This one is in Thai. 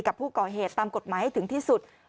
กับผู้ก่อเหตุตามกฎหมายให้ถึงที่สุด